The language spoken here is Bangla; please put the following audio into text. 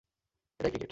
এটাই ক্রিকেট।